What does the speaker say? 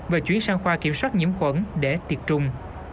và chuyển sang khoa kiểm soát nhiễm khuẩn để tiệt trùng